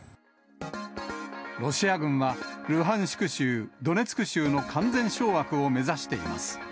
ロシア軍はルハンシク州、ドネツク州の完全掌握を目指しています。